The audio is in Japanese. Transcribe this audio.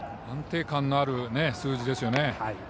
安定感のある数字ですね。